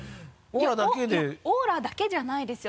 いやオーラだけじゃないですよ。